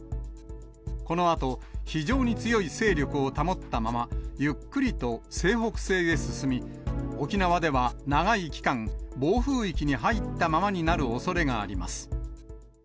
このあと非常に強い勢力を保ったまま、ゆっくりと西北西へ進み、沖縄では長い期間、暴風域に入ったままになるおそれがあります。